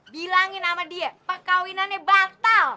bilangin sama dia perkawinannya batal